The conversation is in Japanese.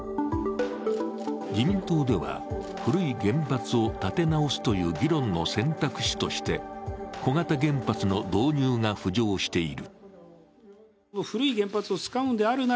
自民党では古い原発を建て直すという議論の選択肢として、小型原発の導入が浮上している。